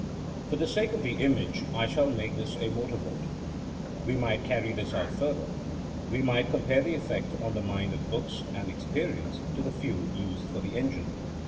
For the sake of the image I shall make this a motor boat. We might carry this out further. We might compare the effect on the mind of books and experience to the fuel used for the engine.